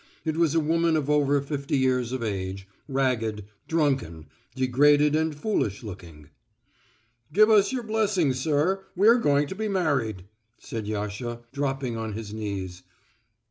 It was a woman of over fifty years of age, ragged, drunken, degraded and foolish looking. "Give us your blessing, sir, we're going to be married," said Yasha, dropping on his knees.